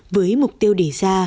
với mục tiêu đề ra